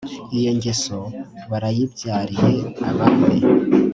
iyo ngeso barayibyariye abami